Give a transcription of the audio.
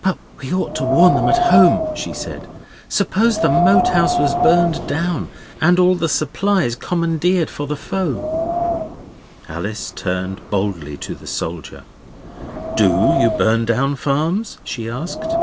'But we ought to warn them at home,' she said ' suppose the Moat House was burned down, and all the supplies commandeered for the foe?' Alice turned boldly to the soldier. 'DO you burn down farms?' she asked.